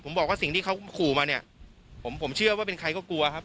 ผมบอกว่าสิ่งที่เขาขู่มาเนี่ยผมเชื่อว่าเป็นใครก็กลัวครับ